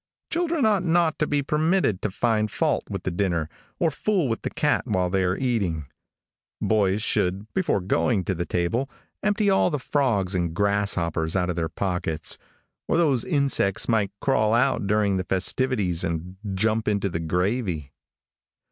Children ought not to be permitted to find fault with the dinner, or fool with the cat while they are eating. Boys should, before going to the table, empty all the frogs and grasshoppers out of their pockets, or those insects might crawl out during the festivities, and jump into the gravy.